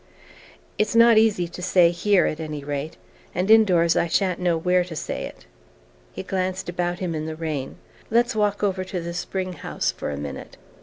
"It's not easy to say here, at any rate. And indoors I sha'n't know where to say it." He glanced about him in the rain. "Let's walk over to the spring house for a minute."